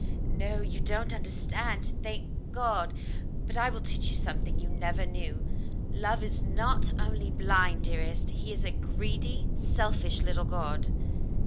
"No, you don't understand, thank God. But I will teach you something you never knew. Love is not only blind, dearest ; he is a greedy, selfish little god."